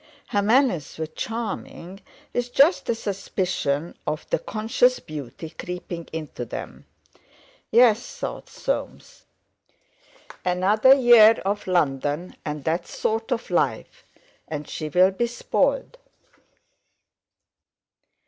Her manners were charming, with just a suspicion of "the conscious beauty" creeping into them. "Yes," thought Soames, "another year of London and that sort of life, and she'll be spoiled."